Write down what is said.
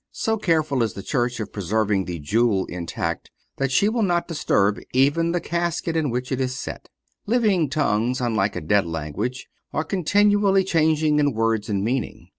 So careful is the Church of preserving the jewel intact that she will not disturb even the casket in which it is set. Living tongues, unlike a dead language, are continually changing in words and meaning.